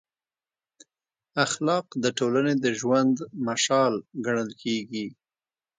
اخلاق د ټولنې د ژوند مشال ګڼل کېږي.